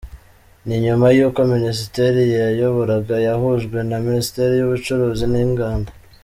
Ni nyuma y’uko Minisiteri yayoboraga yahujwe na Minisiteri y’Ubucuruzi n’Inganda.